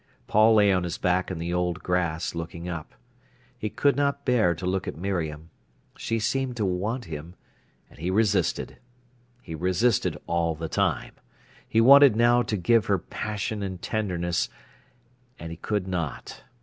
Paul lay on his back in the old grass, looking up. He could not bear to look at Miriam. She seemed to want him, and he resisted. He resisted all the time. He wanted now to give her passion and tenderness, and he could not.